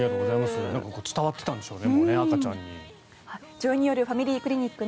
何か伝わっていたんでしょうね